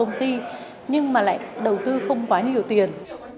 công ty nhưng mà lại đầu tư không quá nhiều tiền